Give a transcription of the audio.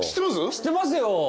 知ってますよ。